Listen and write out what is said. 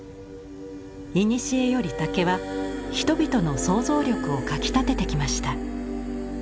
いにしえより竹は人々の想像力をかきたててきました。